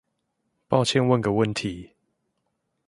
抱歉問個問題